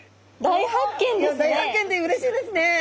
大発見でうれしいですね。